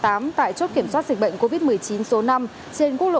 tại chốt kiểm soát dịch bệnh covid một mươi chín số năm trên quốc lộ một mươi bốn